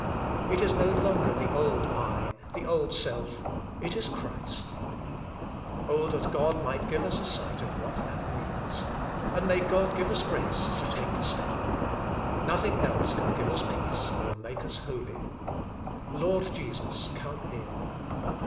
" It is no longer the old I, the old self, it is Christ. Oh that God might give us a sight of what that means. And may God give us grace to take the step. Nothing else can give us peace or make us holy. Lord Jesus! come in.